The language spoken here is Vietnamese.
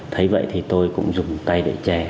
thấy vậy thì tôi cũng dùng tay để chè